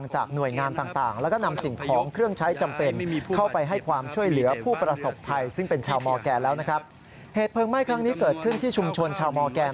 เหตุเพลิงไหม้ครั้งนี้เกิดขึ้นที่ชุมชนชาวมอร์แกน